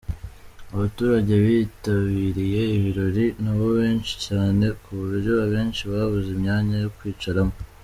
Abaturage bitabiriye ibirori nabo ni benshi cyane ku buryo abenshi babuze imyanya yo kwicaramo.